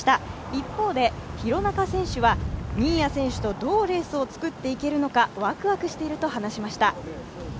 一方で廣中選手は新谷選手とどうレースを作っていけるのかワクワクしていると話しました。